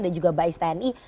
dan juga bais tni